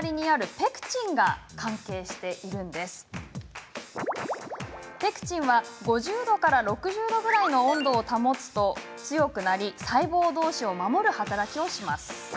ペクチンは５０度から６０度ぐらいの温度を保つと強くなり細胞どうしを守る働きをします。